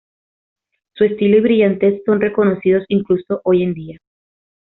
Su estilo y brillantez son reconocidos incluso hoy en día.